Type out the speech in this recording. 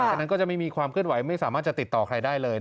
อันนั้นก็จะไม่มีความเคลื่อนไหวไม่สามารถจะติดต่อใครได้เลย